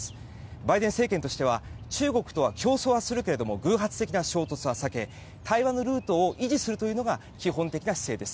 バイデン政権としては中国とは競争はするけれども偶発的な衝突は避け台湾ルートを維持するというのが基本的な姿勢です。